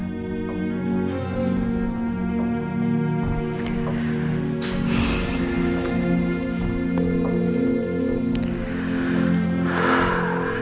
aduh gak diangkat lagi